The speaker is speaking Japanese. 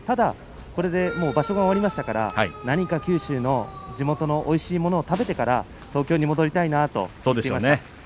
これで場所が終わりましたので何か九州の、地元のおいしいものを食べてから、東京に戻りたいなと言っています。